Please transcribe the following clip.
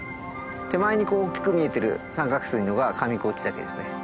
手前に大きく見えてる三角すいのが上河内岳ですね。